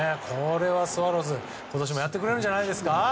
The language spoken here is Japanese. これはスワローズ、今年もやってくれるんじゃないですか。